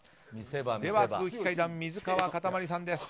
では、空気階段水川かたまりさんです。